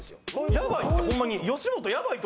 ヤバいってホンマに。